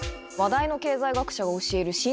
話題の経済学者が教える！